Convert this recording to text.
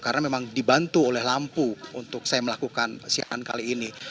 karena memang dibantu oleh lampu untuk saya melakukan siaran kali ini